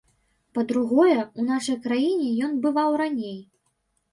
Па-другое, у нашай краіне ён бываў раней.